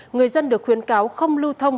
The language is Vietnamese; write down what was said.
người dân được khuyến cáo không lưu thông